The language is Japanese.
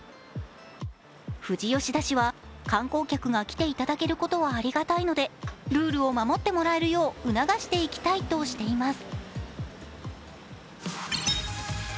富士吉田市は観光客が来ていただけることはありがたいのでルールを守ってもらえるよう促していきたいとしています。